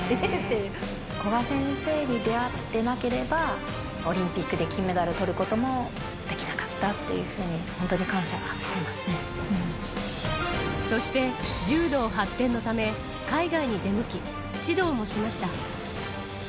古賀先生に出会ってなければ、オリンピックで金メダルをとることもできなかったっていうふうに、そして柔道発展のため、海外に出向き、指導もしました。